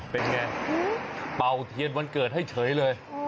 เป็นไงเป่าเทียนวันเกิดให้เฉยเลย